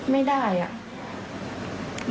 ไม่ได้ยน่ะ